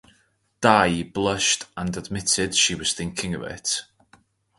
Di blushed and admitted she was thinking of it.